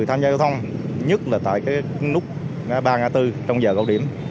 tham gia giao thông nhất là tại cái nút ba ngã tư trong giờ cao điểm